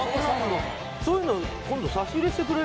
そういうの今度